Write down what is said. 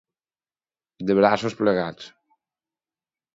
De braços plegats.